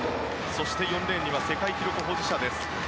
そして４レーンには世界記録保持者です。